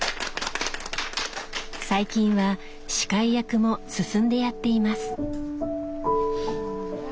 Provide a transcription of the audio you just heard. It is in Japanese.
最近は司会役も進んでやっています。